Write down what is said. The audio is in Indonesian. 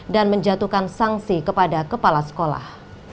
dan menjatuhkan sanksi kepada kepala sekolah